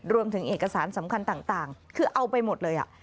รวมถึงเอกสารสำคัญต่างคือเอาไปหมดเลย